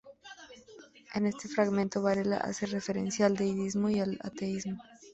En este fragmento Varela hace referencia al deísmo y al ateísmo.